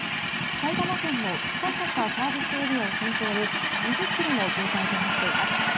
埼玉県の高坂ＳＡを先頭に３０ｋｍの渋滞となっています。